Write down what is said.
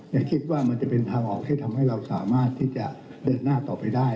อย่าคิดว่ามันจะเป็นทางออกที่ทำให้เราสามารถที่จะเดินหน้าต่อไปได้